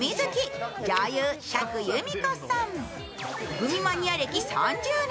グミマニア歴３０年。